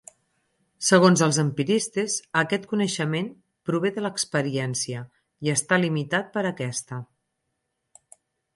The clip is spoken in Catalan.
Segons els empiristes, aquest coneixement prové de l'experiència i està limitat per aquesta.